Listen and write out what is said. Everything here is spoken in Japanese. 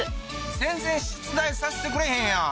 全然出題させてくれへんやん！